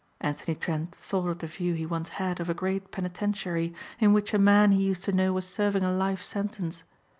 Anthony Trent thought of the view he once had of a great penitentiary in which a man he used to know was serving a life sentence.